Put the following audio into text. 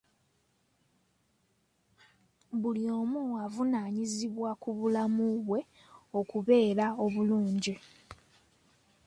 Buli omu avunaanyizibwa ku bulamu bwe okubeera obulungi.